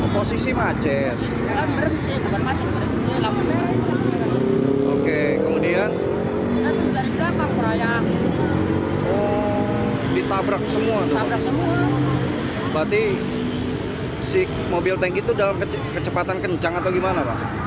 berarti si mobil tank itu dalam kecepatan kencang atau gimana